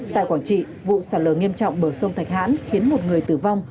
tại quảng trị vụ sạt lở nghiêm trọng bờ sông thạch hãn khiến một người tử vong